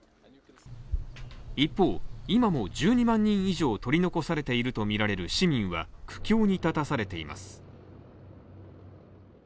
一方、今も１２万人以上取り残されているとみられる市民は苦境に立たされています。